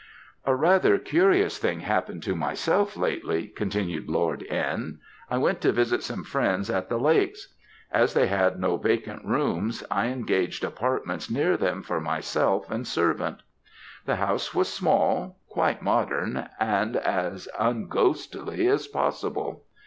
"A rather curious thing happened to myself lately," continued Lord N. "I went to visit some friends at the Lakes. As they had no vacant rooms, I engaged apartments near them for myself and servant. The house was small, quite modern, and as un ghostly as possible.